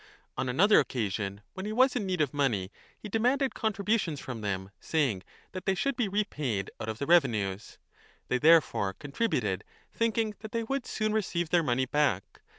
On another occasion when he was in need of money, he demanded contributions from them, saying that they should be repaid out of the revenues. They therefore contributed, thinking that they would soon receive their money back.